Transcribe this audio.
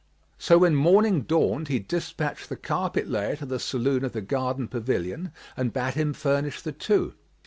So when morning dawned he despatched the carpet layer to the saloon of the garden pavilion and bade him furnish the two.